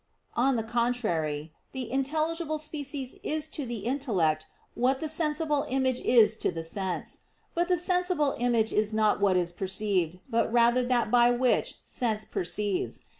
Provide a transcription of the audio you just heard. On the contrary, The intelligible species is to the intellect what the sensible image is to the sense. But the sensible image is not what is perceived, but rather that by which sense perceives.